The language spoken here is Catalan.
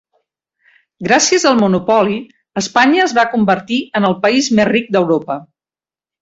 Gràcies al monopoli, Espanya es va convertir en el país més ric d'Europa.